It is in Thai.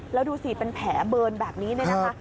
แล้วดูสิเป็นแผลเบิร์นแบบนี้เนี่ยนะคะ